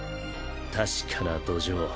確かな土壌。